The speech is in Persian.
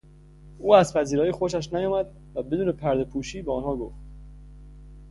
او از پذیرایی خوشش نیامد و بدون پرده پوشی به آنها گفت.